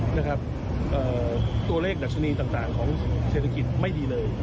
ภาพเพื่อไทยจะได้เป็นแก่อนามกับรัฐบาล